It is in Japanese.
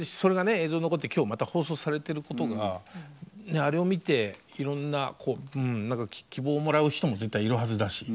映像に残って今日また放送されてることがあれを見ていろんなこううん何か希望をもらう人も絶対いるはずだし。